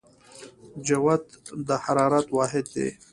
جوت د حرارت واحد دی.